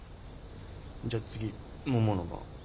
じゃあ次ももの番。